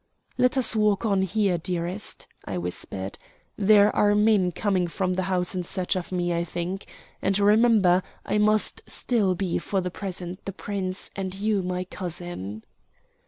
"Let us walk on here, dearest," I whispered. "There are men coming from the house in search of me, I think. And remember I must still be for the present the Prince, and you my cousin."